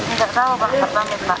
nggak tahu pak